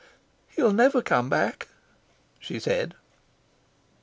"He'll never come back," she said.